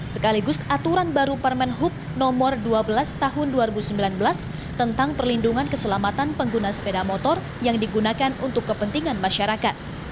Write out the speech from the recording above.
sekaligus aturan baru permen hub nomor dua belas tahun dua ribu sembilan belas tentang perlindungan keselamatan pengguna sepeda motor yang digunakan untuk kepentingan masyarakat